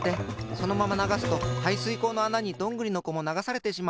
そのままながすとはいすいこうのあなにどんぐりのこもながされてしまう。